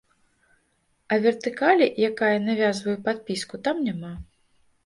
А вертыкалі, якая навязвае падпіску, там няма.